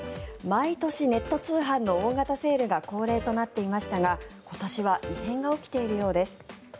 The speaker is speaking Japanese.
毎年、ネット通販の大型セールが恒例となっていましたが今年は異変が起きているようです。